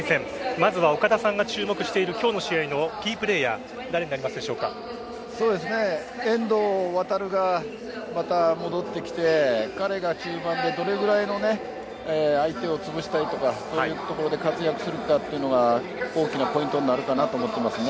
まずは岡田さんが注目している今日の試合のキープレーヤー遠藤航がまた戻ってきて、彼が中盤でどれぐらいの相手をつぶしたりとか活躍するかというのが大きなポイントになるかなと思っています。